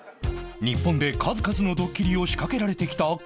日本で数々のドッキリを仕掛けられてきた昴生